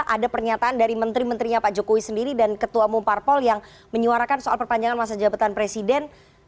ada pernyataan dari menteri menterinya pak jokowi sendiri dan ketua umum parpol yang menyuarakan soal perpanjangan masa jabatan presiden